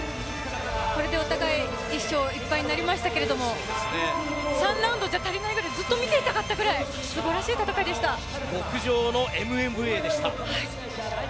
これでお互い１勝１敗になりましたけれども３ラウンドじゃ足りないくらいずっと見ていたかったくらい極上のＭＭＡでした。